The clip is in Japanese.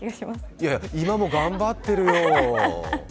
いや、今も頑張ってるよ。